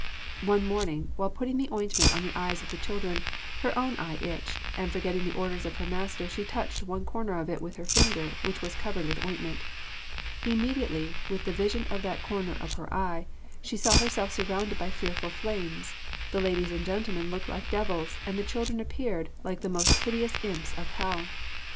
One morning, while putting the ointment on the eyes of the children, her own eye itched, and forgetting the orders of her master she touched one corner of it with her finger which was covered with ointment. Immediately, with the vision of that corner of her eye, she saw herself surrounded by fearful flames; the ladies and gentlemen looked like devils, and the children appeared like the most hideous imps of hell.